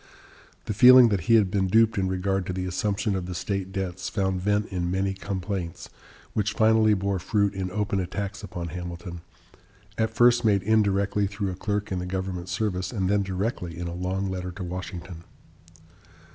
The feeling that he had been duped in regard to the assumption of the state debts found vent in many complaints, which finally bore fruit in open attacks upon Hamilton, at first made indirectly through a clerk in the government service, and then directly in a long letter to Washington.